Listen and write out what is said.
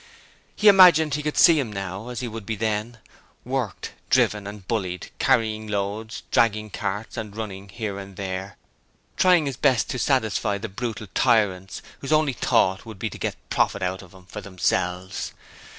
He imagined he could see him now as he would be then: worked, driven, and bullied, carrying loads, dragging carts, and running here and there, trying his best to satisfy the brutal tyrants, whose only thought would be to get profit out of him for themselves.